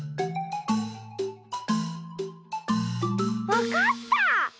わかった！